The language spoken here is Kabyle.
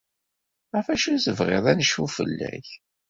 Ɣef acu i tebɣiḍ ad necfu fell-ak?